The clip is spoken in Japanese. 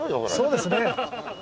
そうですね。